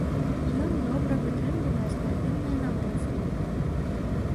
Ён добра вытрымлівае спартыўныя нагрузкі.